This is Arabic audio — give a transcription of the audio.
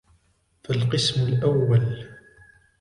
فَالْقِسْمُ الْأَوَّلُ